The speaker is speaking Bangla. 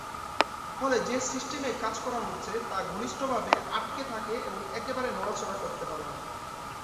ফলে যে সিস্টেমে কাজ করা হচ্ছে তা ঘনিষ্ঠভাবে আটকে থাকে এবং একেবারে নড়াচড়া করতে পারে না।